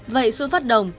vậy xuân phát đồng